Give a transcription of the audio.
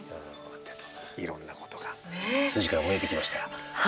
いろんなことが数字からも見えてきました。